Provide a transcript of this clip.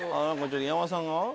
山田さんが。